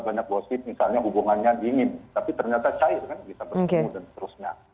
banyak gosip misalnya hubungannya dingin tapi ternyata cair kan bisa bertemu dan seterusnya